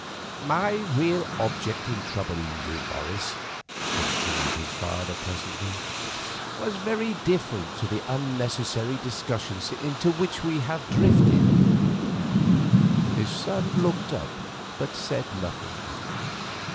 "My real object in troubling you, Morris," continued his father, presently, "was very different to the unnecessary discussions into which we have drifted." His son looked up, but said nothing.